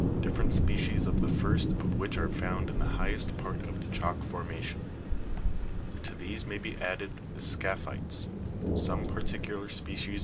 131), different species of the first of which are found in the highest part of the chalk formation. To these may be added the scaphi'tes (fig 132), some particular species of Fig. 129. Ammonites moniU.